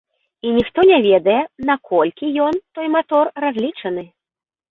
І ніхто не ведае, наколькі ён, той матор, разлічаны.